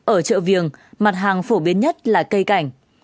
ở chợ viềng mặt hàng phổ biến nhất là cây cảnh